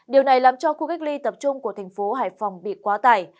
điều này làm cho khu cách ly tập trung của thành phố hải phòng bị quá tải